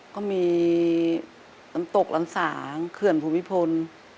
ก็มีน้ำตกหลังสางเขื่อนภูมิพล